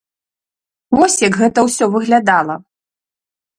Вось, як гэта ўсё выглядала.